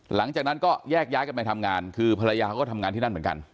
หลังจากนั้นก็แยกย้ายกันไปทำงานคือภรรยาเขาก็ทำงานที่นั่นเหมือนกัน